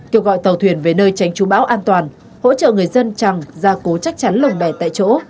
kêu gọi tàu thuyền về nơi tránh chú bão an toàn hỗ trợ người dân chẳng gia cố chắc chắn lồng bè tại chỗ